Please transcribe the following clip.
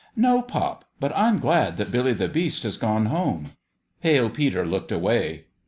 " No, pop ; but I'm glad that Billy the Beast has gone home." Pale Peter looked away.